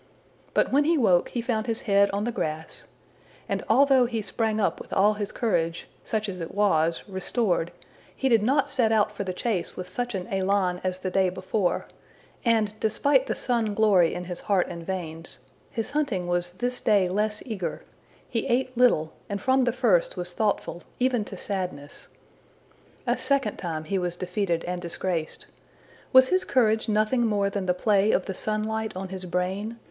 But when he woke he found his head on the grass, and although he sprang up with all his courage, such as it was, restored, he did not set out for the chase with such an élan as the day before; and, despite the sun glory in his heart and veins, his hunting was this day less eager; he ate little, and from the first was thoughtful even to sadness. A second time he was defeated and disgraced! Was his courage nothing more than the play of the sunlight on his brain?